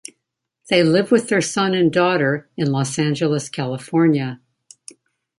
They live with their son and daughter in Los Angeles, California.